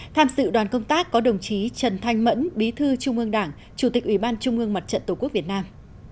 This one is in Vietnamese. tham sự đoàn công tác có đồng chí trần thanh mẫn bí thư trung ương đảng chủ tịch ủy ban trung ương mặt trận tổ quốc việt nam